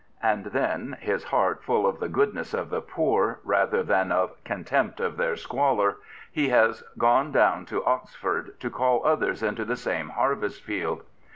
And then, his heart full of the goodness of the poor rather than of contempt of their sq^^or, he has gone down to Oxford to call others into the same harvest field.